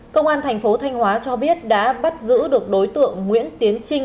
công an thành phố thanh hóa cho biết đã bắt giữ được đối tượng nguyễn tiến trinh